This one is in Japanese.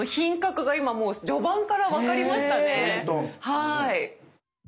はい。